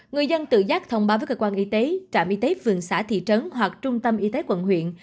người dân tự giác thông báo với cơ quan y tế trạm y tế phường xã thị trấn hoặc trung tâm y tế quận huyện